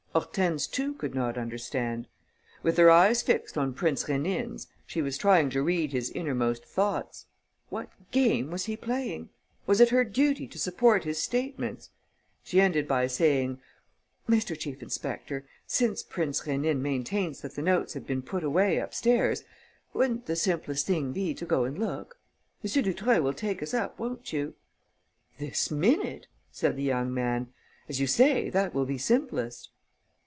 Hortense too could not understand. With her eyes fixed on Prince Rénine's, she was trying to read his innermost thoughts. What game was he playing? Was it her duty to support his statements? She ended by saying: "Mr. Chief inspector, since Prince Rénine maintains that the notes have been put away upstairs, wouldn't the simplest thing be to go and look? M. Dutreuil will take us up, won't you?" "This minute," said the young man. "As you say, that will be simplest."